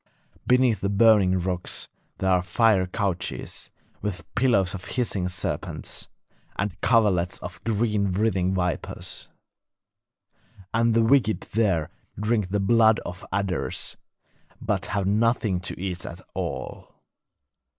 Beneath the burning rocks there are fiery couches, with pillows of hissing serpents, and coverlets of green writhing vipers. And the wicked there drink the blood of adders, but have nothing to eat at all.